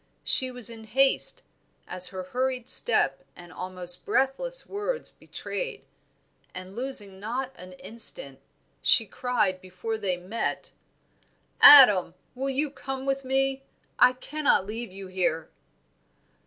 She was in haste, as her hurried step and almost breathless words betrayed; and losing not an instant, she cried before they met "Adam, you will come with me? I cannot leave you here."